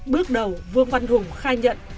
bước đầu vương văn hùng khai nhận